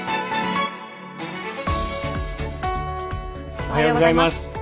おはようございます。